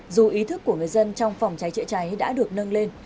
dù ý thức của người dân trong phòng cháy chữa cháy đã được nâng lên